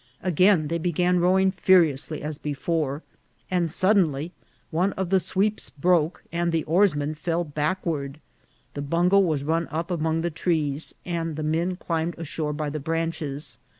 Again they began rowing furiously as before, and sud denly one of the sweeps broke and the oarsman fell backward. The bungo was run up among the trees, and the men climbed ashore by the branches.